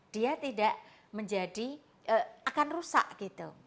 dia tidak menjadi akan rusak gitu